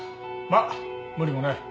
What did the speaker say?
まあ無理もない。